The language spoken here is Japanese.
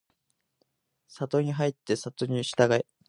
郷に入っては郷に従え